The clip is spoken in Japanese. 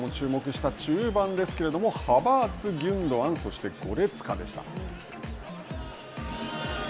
ケンゴズラボでも注目した中盤ですけれどもハバーツ、ギュンドアンそしてゴレツカでした。